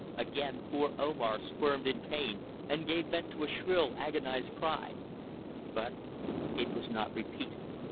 Again poor Omar squirmed in pain and gave vent to a shrill, agonised cry. But it was not repeated.